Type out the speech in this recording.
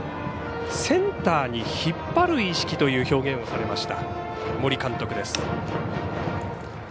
センターに引っ張る意識という表現をされました森監督です。